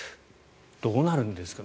どうなるんですか。